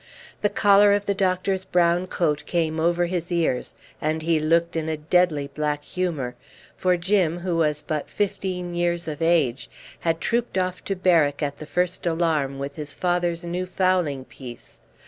The collar of the doctor's brown coat came over his ears, and he looked in a deadly black humour; for Jim, who was but fifteen years of age, had trooped off to Berwick at the first alarm with his father's new fowling piece.